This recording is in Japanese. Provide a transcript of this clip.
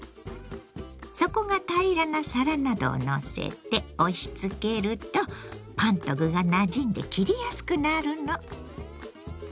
底が平らな皿などをのせて押しつけるとパンと具がなじんで切りやすくなるの。